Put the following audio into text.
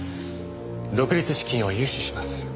独立資金を融資します。